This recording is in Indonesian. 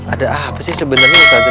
ada apa sih sebenarnya